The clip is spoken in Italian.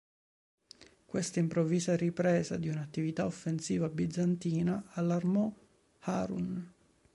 Questa improvvisa ripresa di un'attività offensiva bizantina allarmò Harun.